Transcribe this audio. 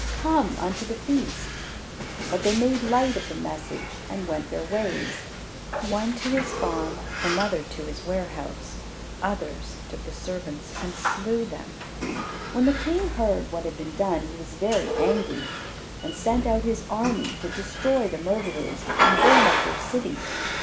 Come unto the feast.'" But they made light of the message and went their ways, one to his farm, another to his warehouse; others took the servants and slew them. When the King heard what had been done, he was very angry, and sent out his army to destroy the murderers, and burn up their city.